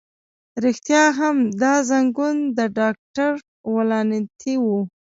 رښتیا هم، دا زنګون د ډاکټر ولانتیني و.